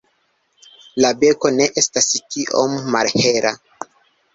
La beko ne estas tiom malhela.